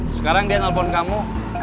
sekarang dia nelfon kamu